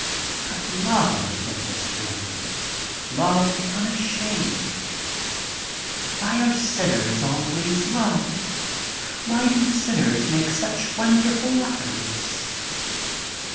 But love is in this room, love unashamed. Why aie sinners always loved ? Why do sinners make such wonderful lovers